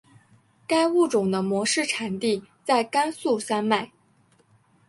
该物种的模式产地在甘肃山脉。